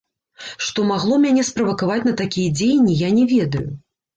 Што магло мяне справакаваць на такія дзеянні, я не ведаю.